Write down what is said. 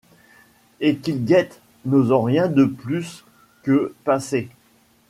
Et qu'ils guettent, n'osant rien de plus que passer